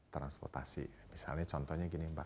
transportasi misalnya contohnya gini mbak